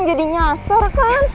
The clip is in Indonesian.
jadi nyasar kan